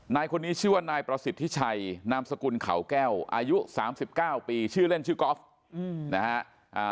นายคนนี้ชื่อว่านายประสิทธิชัยนามสกุลเขาแก้วอายุ๓๙ปีชื่อเล่นชื่อกอล์ฟนะฮะ